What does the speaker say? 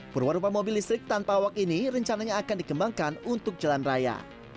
perwarupa mobil listrik tanpa awak ini rencananya akan dikembangkan untuk jalan raya